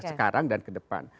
sekarang dan kedepan